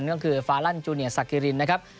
ก็คือฟาลันจูเนียสักกิรินนะครับ